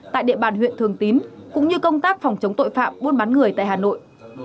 tại địa bàn huyện thường tín cũng như công tác phòng chống tội phạm buôn bán người tại hà nội